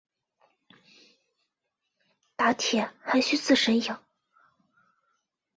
打铁还需自身硬。